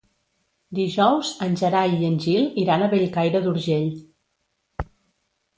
Dijous en Gerai i en Gil iran a Bellcaire d'Urgell.